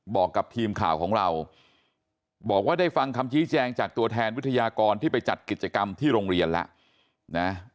บอกกับทีมข่าวของเราบอกว่าได้ฟังคำชี้แจงจากตัวแทนวิทยากรที่ไปจัดกิจกรรมที่โรงเรียนแล้วนะ